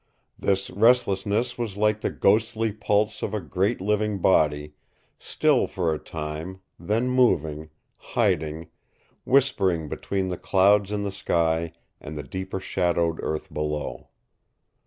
This restlessness was like the ghostly pulse of a great living body, still for a time, then moving, hiding, whispering between the clouds in the sky and the deeper shadowed earth below.